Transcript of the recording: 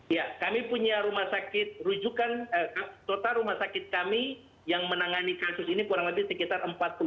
ya kami punya rumah sakit rujukan total rumah sakit kami yang menangani kasus ini kurang lebih sekitar empat puluh lima